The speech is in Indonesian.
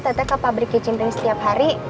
dulu tete ke pabrik kicimping setiap hari